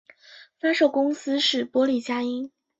发售公司是波丽佳音。